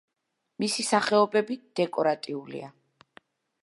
მისი სახეობები დეკორატიულია.